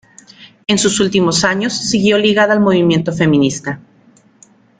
En sus últimos años siguió ligada al movimiento feminista.